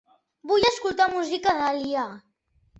Vull escoltar música d'Aaliyah